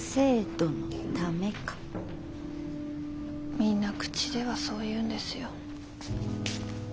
みんな口ではそう言うんですよ。